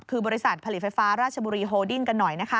คือบริษัทผลิตไฟฟ้าราชบุรีโฮดิ้นกันหน่อยนะคะ